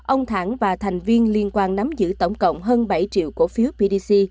ông thẳng và thành viên liên quan nắm giữ tổng cộng hơn bảy triệu cổ phiếu pdc